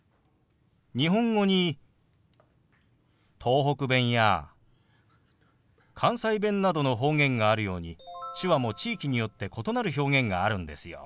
日本語に東北弁や関西弁などの方言があるように手話も地域によって異なる表現があるんですよ。